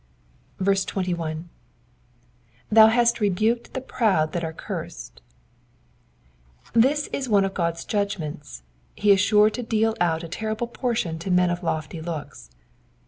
21. r/SM Juutt rebuked the proud that are cursed^ This is one of God^s judgments : he is sure to deal out a terrible portion to men of lofty looks.